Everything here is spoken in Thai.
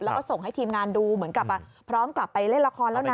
แล้วก็ส่งให้ทีมงานดูเหมือนกับพร้อมกลับไปเล่นละครแล้วนะ